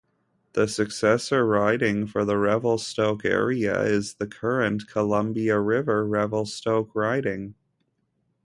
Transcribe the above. The successor riding for the Revelstoke area is the current Columbia River-Revelstoke riding.